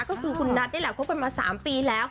ก็คือคุณนัทนี่แหละคบกันมา๓ปีแล้ว